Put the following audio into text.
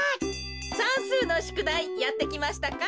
さんすうのしゅくだいやってきましたか？